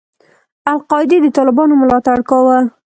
القاعدې د طالبانو ملاتړ کاوه.